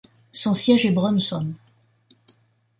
Son siège est Bronson.